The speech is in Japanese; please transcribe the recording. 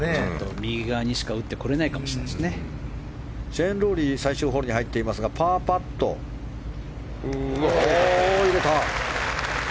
右側にしか打ってこれないかもシェーン・ロウリー最終ホールパーパット。入れた！